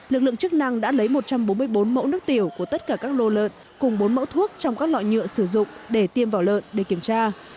lực lượng chức năng đã lấy một trăm bốn mươi bốn mẫu nước tiểu của tất cả các lô lợn cùng bốn mẫu thuốc trong các loại nhựa sử dụng để tiêm vỏ lợn để kiểm tra